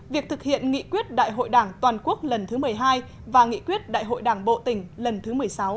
việc thực hiện nghị quyết đại hội đảng toàn quốc lần thứ một mươi hai và nghị quyết đại hội đảng bộ tỉnh lần thứ một mươi sáu